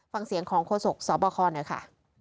ฟังเสียงของโฆษกสบคหน่อยค่ะ